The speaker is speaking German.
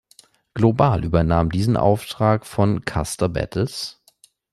Global übernahm diesen Auftrag von Custer Battles.